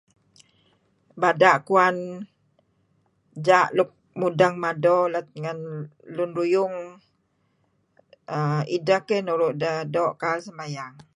Bada' kuwan ja' luk mudeng mado let ngen lun ruyung err ideh keh nuru' deh kail sembayang.